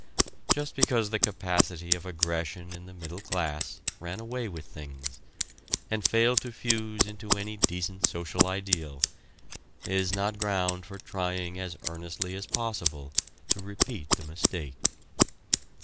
Just because the capacity of aggression in the middle class ran away with things, and failed to fuse into any decent social ideal, is not ground for trying as earnestly as possible to repeat the mistake.